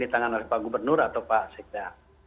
ditangan oleh pak gubernur atau pak sekda